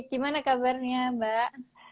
bagaimana kabarnya mbak